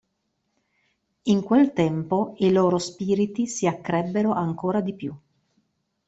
In quel tempo, i loro spiriti si accrebbero ancora di più.